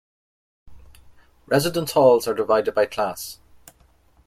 Residence halls are divided by class.